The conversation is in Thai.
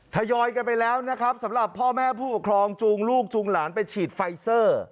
ทยอยกันไปแล้วนะครับสำหรับพ่อแม่ผู้ปกครองจูงลูกจูงหลานไปฉีดไฟเซอร์